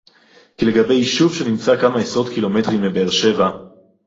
כי לגבי יישוב שנמצא כמה עשרות קילומטרים מבאר-שבע